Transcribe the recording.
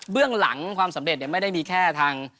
เรื่องหลังความสำเร็จไม่ได้มีแค่ทาง